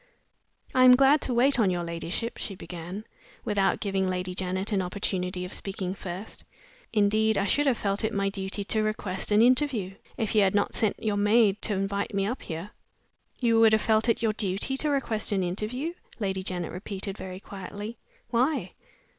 "I am glad to wait on your ladyship," she began, without giving Lady Janet an opportunity of speaking first. "Indeed, I should have felt it my duty to request an interview, if you had not sent your maid to invite me up here." "You would have felt it your duty to request an interview?" Lady Janet repeated, very quietly. "Why?"